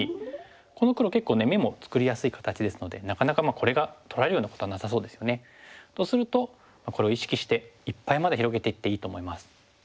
この黒結構眼も作りやすい形ですのでなかなかこれが取られるようなことはなさそうですよね。とするとこれを意識していっぱいまで広げていっていいと思います。